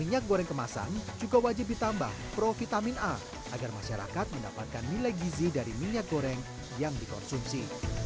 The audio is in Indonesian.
minyak goreng kemasan juga wajib ditambah provitamin a agar masyarakat mendapatkan nilai gizi dari minyak goreng yang dikonsumsi